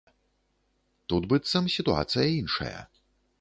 Тут, быццам, сітуацыя іншая.